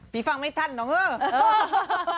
พี่ฟังไม่ทันนะเว้ย